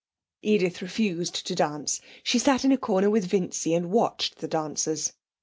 Edith refused to dance. She sat in a corner with Vincy and watched the dancers.